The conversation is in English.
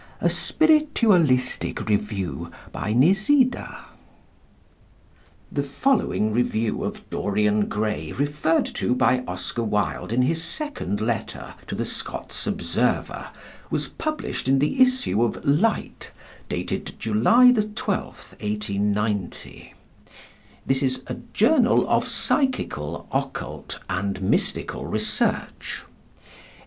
A Spiritualistic Review. By "NIZIDA." The following review of "Dorian Gray" referred to by Oscar Wilde in his second letter to the Scots Observer (see page 71) was published in the issue of Light dated July 12th, 1890. This is "a Journal of Psychical, Occult, and Mystical Research."